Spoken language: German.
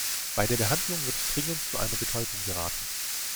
Bei der Behandlung wird dringend zu einer Betäubung geraten.